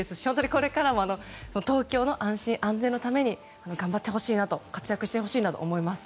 これからも東京の安心・安全のために頑張ってほしいなと活躍してほしいなと思います。